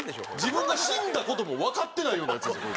自分が死んだ事もわかってないようなヤツ。